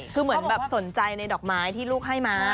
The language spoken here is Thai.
คือเหมือนแบบสนใจในดอกไม้ที่ลูกให้มา